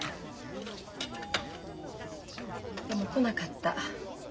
でも来なかった。